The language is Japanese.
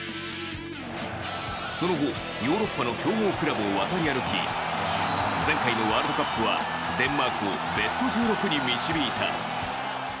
その後ヨーロッパの強豪クラブを渡り歩き前回のワールドカップはデンマークをベスト１６に導いた。